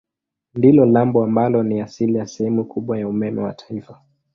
Ndilo lambo ambalo ni asili ya sehemu kubwa ya umeme wa taifa.